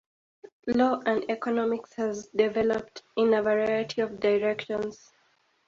Law and economics has developed in a variety of directions.